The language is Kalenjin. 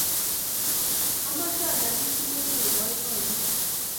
Amache anyalil simenyoru boiboiyet